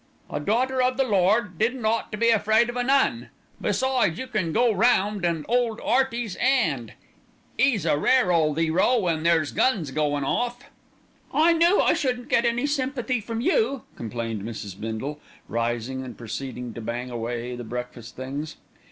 "A daughter o' the Lord didn't ought to be afraid of an 'Un; besides, you can go round an' 'old 'Earty's 'and. 'E's a rare ole 'ero when there's guns goin' off." "I knew I shouldn't get any sympathy from you," complained Mrs. Bindle, rising and proceeding to bang away the breakfast things.